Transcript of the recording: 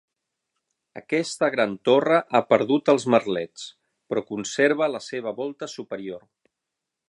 Aquesta gran torre ha perdut els merlets, però conserva la seva volta superior.